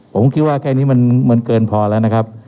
ผมคิดว่าแค่นี้มันเกินพอแล้วนะครับ